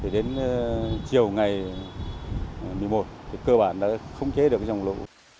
đến chiều ngày một mươi một cơ bản đã khống chế được dòng lũ